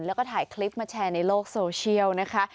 แล้วก็ถ่ายคลิปมาแชร์ในโลกโซเชียลนะคะ